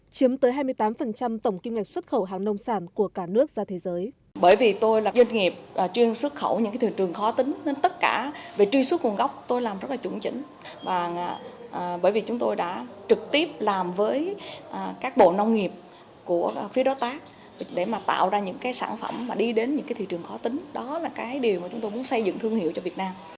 chiếm tới hai mươi tám tổng kinh ngạch xuất khẩu hàng nông sản của cả nước ra thế giới